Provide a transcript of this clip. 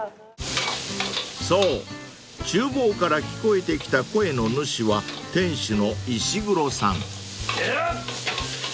［そう厨房から聞こえてきた声の主は店主の石黒さん］でやっ！